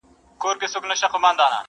د تصویر پښتو ته ولوېدم په خیال کي!.